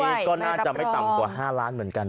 อันนี้ก็น่าจะไม่ต่ำกว่า๕ล้านเหมือนกัน